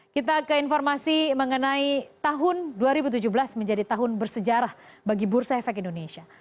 kita ke informasi mengenai tahun dua ribu tujuh belas menjadi tahun bersejarah bagi bursa efek indonesia